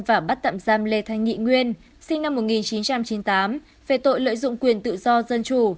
và bắt tạm giam lê thanh nghị nguyên sinh năm một nghìn chín trăm chín mươi tám về tội lợi dụng quyền tự do dân chủ